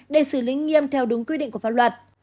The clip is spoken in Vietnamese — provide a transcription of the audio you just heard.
để xử lý nghiêm theo đúng quy định của pháp luật